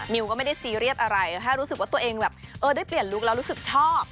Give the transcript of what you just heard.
ก็ไม่ได้ซีเรียสอะไรแค่รู้สึกว่าตัวเองแบบเออได้เปลี่ยนลุคแล้วรู้สึกชอบ